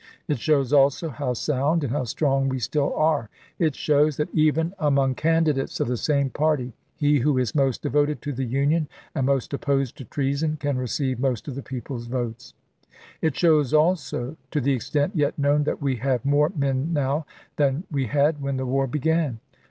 It shows, also, how sound and how strong we still are. It shows that, even among candidates of the same party, he who is most devoted to the Union and most opposed to treason can receive most of the people's votes. It shows, also, to the extent yet known, that we have more men now than we had when the war began.